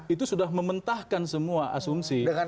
itu sudah mementahkan semua asumsi